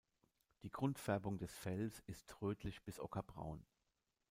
Die Grundfärbung des Fells ist rötlich bis ockerbraun.